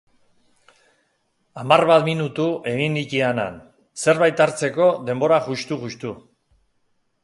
Hamar bat minutu egin nitian han, zerbait hartzeko denbora justu-justu.